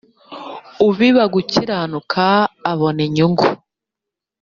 ubiba gukiranuka abona inyungu